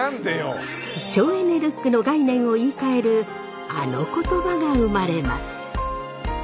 省エネルックの概念を言い換えるあの言葉が生まれます。